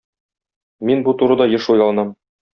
Мин бу турыда еш уйланам.